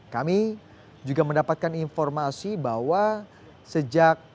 kami juga mendapatkan informasi bahwa sejak